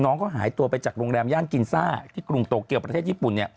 น้องเขาหายตัวไปจากโรงแรมย่านกินซ่าที่กรุงโตเกียวประเทศญี่ปุ่น